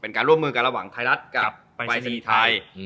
เป็นการร่วมมือกันระหว่างไทยรัฐกับไปรษณีย์ไทย